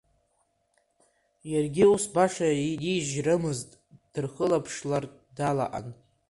Иаргьы ус баша инижьрымызт, дырхылаԥшлартә далаҟан.